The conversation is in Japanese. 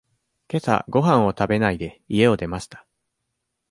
けさごはんを食べないで、家を出ました。